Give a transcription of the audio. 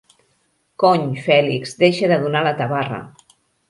Cony Fèlix, deixa de donar la tabarra.